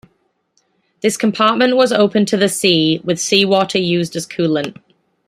This compartment was open to the sea, with seawater used as coolant.